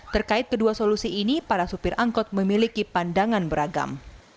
terkait kedua solusi ini para supir angkot memiliki pandangan beragam